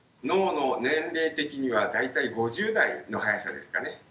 脳の年齢的には大体５０代の速さですかね。